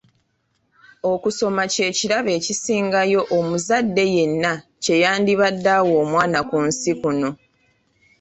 Okusoma kye kirabo ekisingayo omuzadde yenna kye yandibadde awa omwana ku nsi kuno.